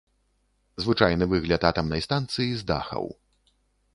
Звычайны выгляд атамнай станцыі з дахаў.